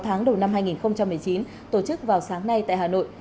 sáu tháng đầu năm hai nghìn một mươi chín tổ chức vào sáng nay tại hà nội